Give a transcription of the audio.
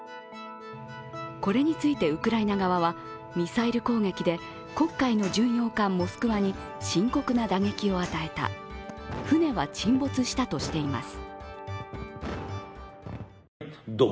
これについてウクライナ側は、ミサイル攻撃で黒海での巡洋艦「モスクワ」に深刻な打撃を与えた、船は沈没したとしています。